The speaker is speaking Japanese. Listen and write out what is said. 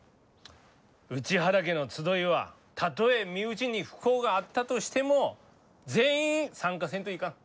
内原家の集いはたとえ身内に不幸があったとしても全員参加せんといかん。